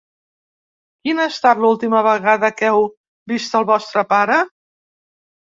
Quina ha estat l’última vegada que heu vist el vostre pare?